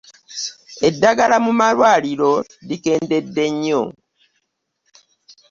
Eddagala mu malwaliro likendede nnyo.